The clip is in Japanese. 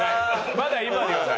まだ今ではない？